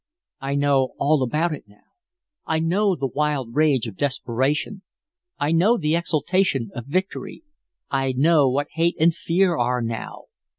I know all about it now. I know the wild rage of desperation; I know the exultation of victory; I know what hate and fear are now.